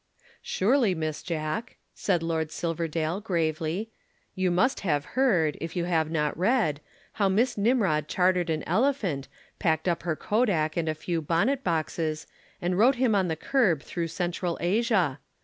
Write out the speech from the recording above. "Surely, Miss Jack," said Lord Silverdale gravely. "You must have heard, if you have not read, how Miss Nimrod chartered an elephant, packed up her Kodak and a few bonnet boxes and rode him on the curb through Central Asia.